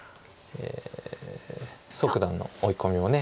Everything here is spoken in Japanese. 蘇九段の追い込みも。